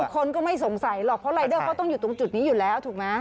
คนก็ไม่สงสัยหรอกเพราะรายเดอร์เขาต้องอยู่ตรงจุดนี้อยู่แล้วถูกไหม